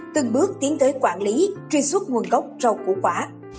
từng bước tiến tới quản lý truy xuất nguồn gốc rau củ quả